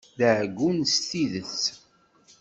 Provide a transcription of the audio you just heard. D aɛeggun s tidet!